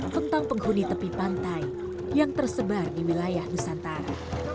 tentang penghuni tepi pantai yang tersebar di wilayah nusantara